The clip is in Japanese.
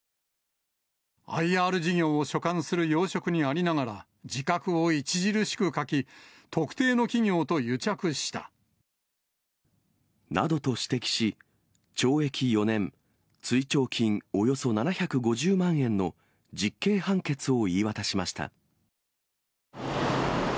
ＩＲ事業を所管する要職にありながら、自覚を著しく欠き、特定の企業と癒着した。などと指摘し、懲役４年、追徴金およそ７５０万円の実刑判決を言い渡しました。